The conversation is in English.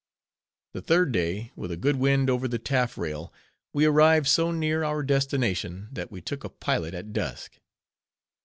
The third day, with a good wind over the taffrail, we arrived so near our destination, that we took a pilot at dusk.